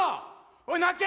おい鳴け！